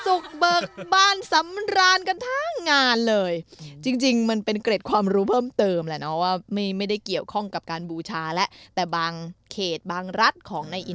อื่นของในอินเดียได้ด้วยอะไรแบบนี้เขาต้องรู้กฎไม้ของตามพื้นที่